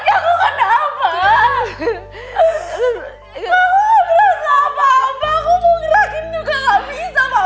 aku enggak berasa apa apa aku mau diraguin juga enggak bisa mami